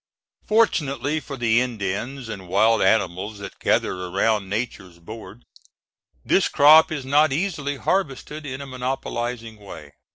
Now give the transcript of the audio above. Fortunately for the Indians and wild animals that gather around Nature's board, this crop is not easily harvested in a monopolizing way.